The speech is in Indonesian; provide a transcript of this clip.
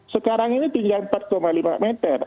sekarang ini tinggal empat lima meter